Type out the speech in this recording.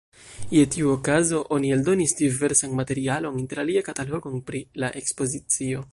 Je tiu okazo oni eldonis diversan materialon, interalie katalogon pri la ekspozicio.